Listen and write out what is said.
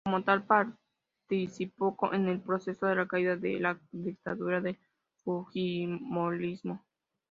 Como tal participó en el proceso de la caída de la dictadura del fujimorismo.